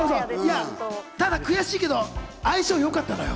ただ悔しいけど、相性よかったのよ。